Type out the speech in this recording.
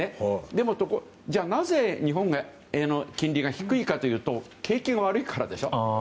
でも、なぜ日本が金利が低いかというと景気が悪いからでしょ。